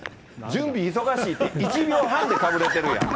準備忙しいって、１秒半でかぶれてるやん。